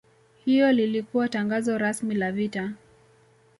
Hilo lilikuwa tangazo rasmi la vita